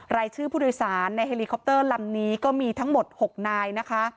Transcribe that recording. รายชื่อผู้โดยสารในเฮลิคอปเตอร์ลำนี้ก็มีทั้งหมด๖นายนะคะ